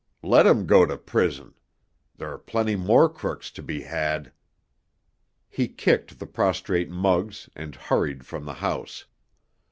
Let 'em go to prison—there are plenty more crooks to be had!" He kicked the prostrate Muggs and hurried from the house.